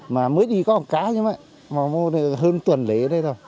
mà mới đi có một cái nhưng mà hơn tuần lễ đấy thôi